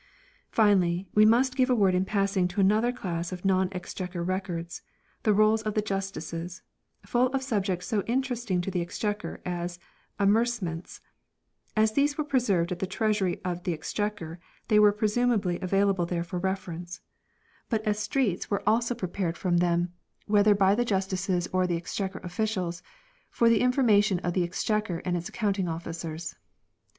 Finally, we must give a word in passing to another class of non Exchequer Records, the rolls of the Justices; full of subjects so interesting to the Ex chequer as amercements. As these were preserved at the Treasury of the Exchequer they were presumably available there for reference ; but Estreats were 1 E.g. by way of fines, on the one hand, or salaries, on the other OF THE REIGN OF KING JOHN 251 prepared from them, whether by the Justices or the Exchequer Officials, for the information of the Ex chequer and its Accounting Officers.